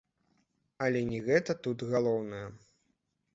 Але не гэта тут галоўнае.